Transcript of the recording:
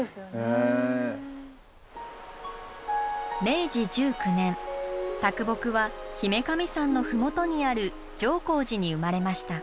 明治１９年啄木は姫神山の麓にある常光寺に生まれました。